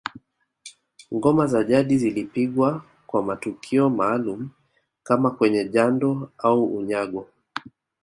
Ngoma za jadi zilipigwa kwa matukio maalumu kama kwenye jando au unyago